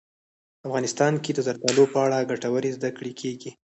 افغانستان کې د زردالو په اړه ګټورې زده کړې کېږي.